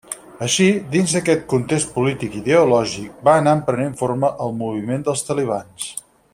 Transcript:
Així, dins d'aquest context polític i ideològic, va anar prenent forma el moviment dels talibans.